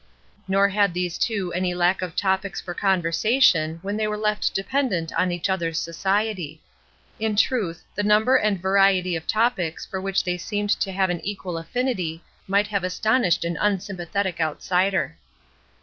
Nor had these two any lack of topics for con versation when they were left dependent on each other's society. In truth, the number and variety of subjects for which they seemed to have an equal affinity might have astonished an unsympathetic outsider.